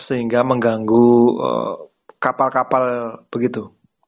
sehingga mengganggu kapal kapal begitu